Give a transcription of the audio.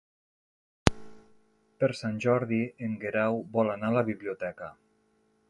Per Sant Jordi en Guerau vol anar a la biblioteca.